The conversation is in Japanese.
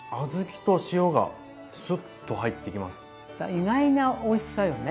意外なおいしさよね